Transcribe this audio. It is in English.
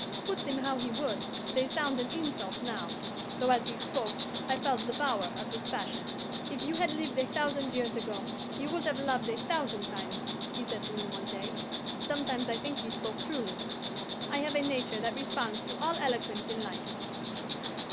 Put them how he would, they sound an insult now, though as he spoke I felt the power of his passion. "If you had lived a thousand years ago, you would have loved a thousand times," he said to me one day. Sometimes I think he spoke truly; I have a nature that responds to all eloquence in life.